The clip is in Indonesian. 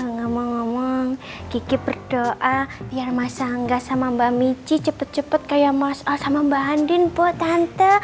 ngomong ngomong gigi berdoa biar mas angga sama mbak mici cepet cepet kayak mas al sama mbak andin bu tante